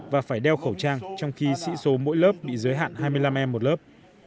và phải đeo khẩu trang trong khi sĩ số mỗi lớp bị giới hạn hai mươi năm em một lớp